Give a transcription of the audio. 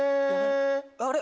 あれ？